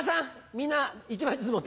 みんな１枚ずつ持ってって。